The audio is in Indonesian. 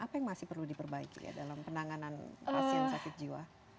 apa yang masih perlu diperbaiki ya dalam penanganan hasil